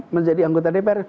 menjadi anggota dpr